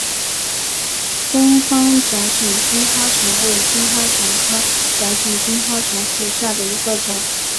东方窄颈金花虫为金花虫科窄颈金花虫属下的一个种。